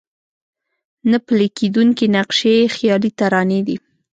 نه پلي کېدونکي نقشې خيالي ترانې دي.